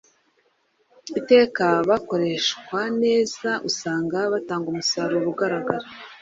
iteka bakoreshwa neza usanga batanga umusaruro ugaragara